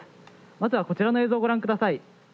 まずはこちらの映像をご覧下さい。